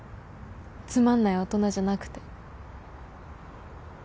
つまんない大人じゃなくて。